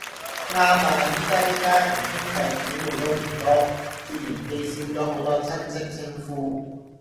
啱呀，而家啲家庭兄弟姊妹都唔多，自然記少咗好多親戚稱呼